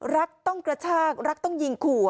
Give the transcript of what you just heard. รักคือต้องกระฉากรักคือต้องยิงขัว